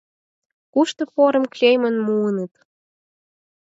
Кушто порым, клейым муыныт?